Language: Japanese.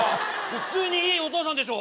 普通にいいお父さんでしょ！